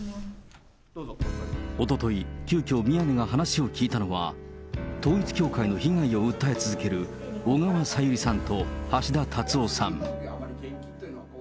おととい、急きょ宮根が話を聞いたのは、統一教会の被害を訴え続ける小川さゆりさんと橋田達夫さん。